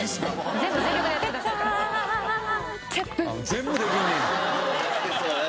全部できんねや。